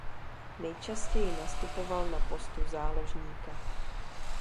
Nejčastěji nastupoval na postu záložníka.